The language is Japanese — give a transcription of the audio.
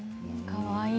かわいい。